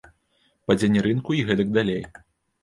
Падзенне рынку і гэтак далей.